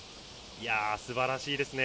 いやー、すばらしいですね。